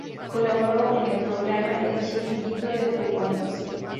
Colaboró en el programa "El chiringuito de jugones".